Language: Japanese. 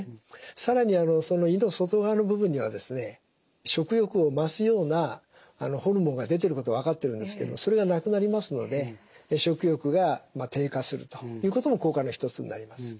更に胃の外側の部分にはですね食欲を増すようなホルモンが出てることが分かってるんですけどそれがなくなりますので食欲が低下するということも効果の一つになります。